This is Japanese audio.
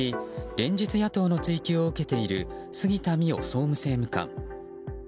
連日、野党の追及を受けている杉田水脈総務政務官。